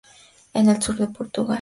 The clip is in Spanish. En el sur de Portugal.